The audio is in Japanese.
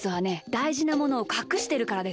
だいじなものをかくしてるからです。